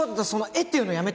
っていうのやめて。